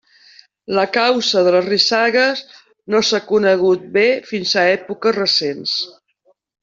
La causa de les rissagues no s'ha conegut bé fins a èpoques recents.